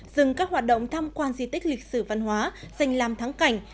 dừng các hoạt động tham quan di tích lịch sử văn hóa dành làm thắng cảnh